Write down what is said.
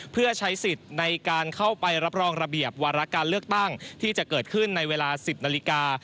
เพื่อใช้สิทธิ์ในการเข้าไปรับรองระเบียบวาระการเลือกตั้งที่จะเกิดขึ้นในเวลา๑๐นาฬิกา